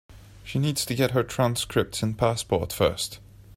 She needs to get her transcripts and passport first.